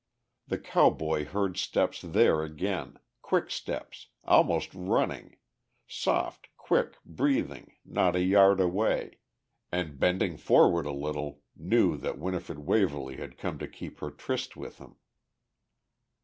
The cowboy heard steps there again, quick steps, almost running, soft, quick breathing not a yard away, and bending forward a little, knew that Winifred Waverly had come to keep her tryst with him.